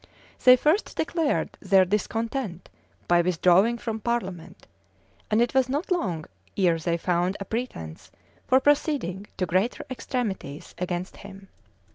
[] They first declared their discontent by withdrawing from parliament; and it was not long ere they found a pretence for proceeding to greater extremities against him.